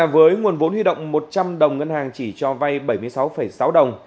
với nguồn vốn huy động một trăm linh đồng ngân hàng chỉ cho vay bảy mươi sáu sáu đồng